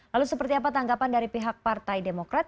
lalu seperti apa tanggapan dari pihak partai demokrat